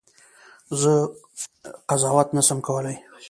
زه قضاوت نه سم کولای.